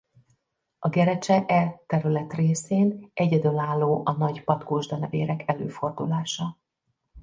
A Gerecse e területrészén egyedülálló a nagy patkósdenevérek előfordulása.